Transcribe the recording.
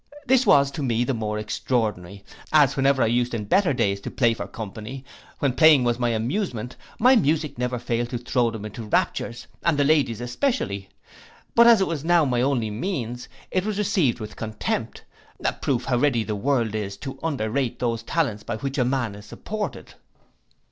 This was to me the more extraordinary, as whenever I used in better days to play for company, when playing was my amusement, my music never failed to throw them into raptures, and the ladies especially; but as it was now my only means, it was received with contempt: a proof how ready the world is to under rate those talents by which a man is supported.